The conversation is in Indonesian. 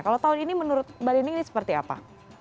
kalau tahun ini menurut mbak lini ini seperti apa